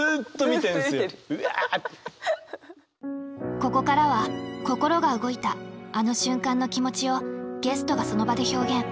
ここからは心が動いたあの瞬間の気持ちをゲストがその場で表現。